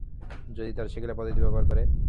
যদি তারা সেকেলে পদ্ধতি ব্যবহার করে?